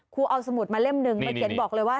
เอาสมุดมาเล่มหนึ่งมาเขียนบอกเลยว่า